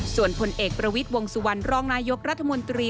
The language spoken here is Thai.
ส่วนผลเอกประวิทย์วงสุวรรณรองนายกรัฐมนตรี